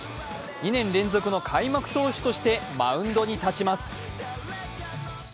２年連続の開幕投手としてマウンドに立ちます。